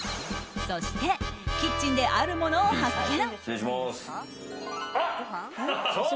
そして、キッチンであるものを発見。